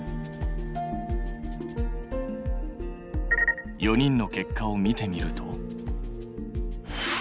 ４人の結果を見てみると。